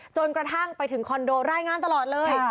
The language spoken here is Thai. จนกระทั่งไปถึงคอนโดรายงานตลอดเลย